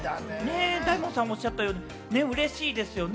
大門さん、おっしゃったように嬉しいですよね。